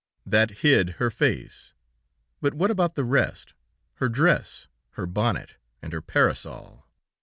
That hid her face, but what about the rest, her dress, her bonnet, and her parasol?